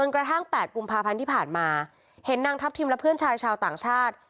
กระทั่ง๘กุมภาพันธ์ที่ผ่านมาเห็นนางทัพทิมและเพื่อนชายชาวต่างชาติ